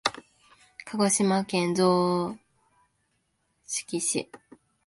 鹿児島県曽於市